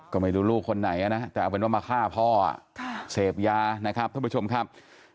ก็ไม่รู้ลูกคนไหนนะแต่เอาเป็นว่ามาฆ่าพ่อเสพยานะครับท่านผู้ชมครับ